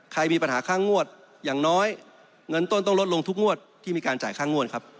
ใครมีปัญหาค่างวดอย่างน้อยเงินต้นต้องลดลงทุกงวดที่มีการจ่ายค่างวดครับ